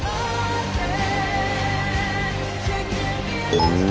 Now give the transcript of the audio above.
うん。